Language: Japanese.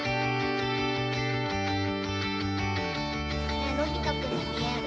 ねえのび太君に見える？